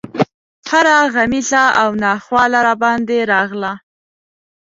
هره غمیزه او ناخواله راباندې راغله.